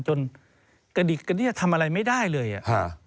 จนกระดิกกระดิกจะทำอะไรไม่ได้เลย